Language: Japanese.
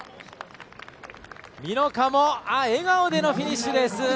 美濃加茂笑顔でのフィニッシュです。